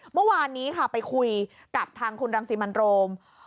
เมื่อวานนี้ค่ะไปคุยกับทางคุณรังสิมันโรม